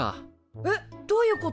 えっどういうこと？